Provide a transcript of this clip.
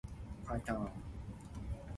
兜